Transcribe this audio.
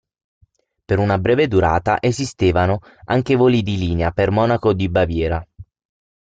Per una breve durata esistevano anche voli di linea per Monaco di Baviera.